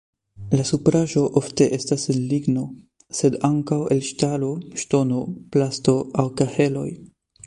La supraĵo ofte estas el ligno, sed ankaŭ el ŝtalo, ŝtono, plasto aŭ kaheloj.